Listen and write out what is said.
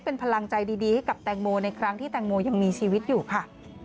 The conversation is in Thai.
เป็นพลังใจดีให้กับแตงโมในครั้งที่แตงโมยังมีชีวิตอยู่ค่ะ